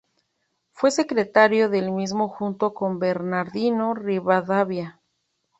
Fue secretario del mismo junto con Bernardino Rivadavia.